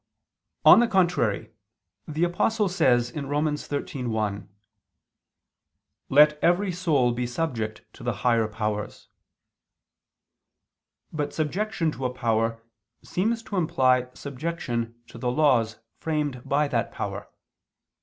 On the contrary, The Apostle says (Rom. 13:1): "Let every soul be subject to the higher powers." But subjection to a power seems to imply subjection to the laws framed by that power.